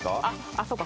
あっそうか